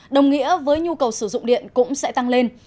đồng nghĩa với nhu cầu sử dụng điện cũng sẽ tăng lên